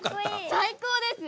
最高です！